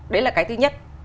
đấy là cái thứ nhất